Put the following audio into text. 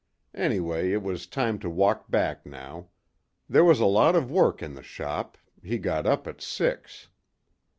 Anyway it was time to walk back now. There was a lot of work in the shop. He got up at six.